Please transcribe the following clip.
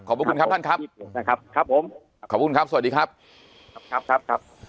ขอบคุณครับท่านครับนะครับครับผมขอบคุณครับสวัสดีครับครับครับ